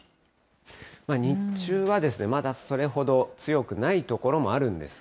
日中はまだそれほど強くない所もあるんですが。